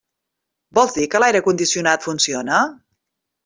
Vols dir que l'aire condicionat funciona?